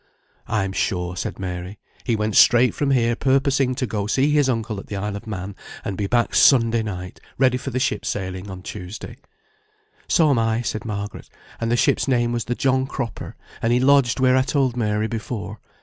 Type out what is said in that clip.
"I'm sure," said Mary, "he went straight from here, purposing to go see his uncle at the Isle of Man, and be back Sunday night, ready for the ship sailing on Tuesday." "So am I," said Margaret. "And the ship's name was the John Cropper, and he lodged where I told Mary before.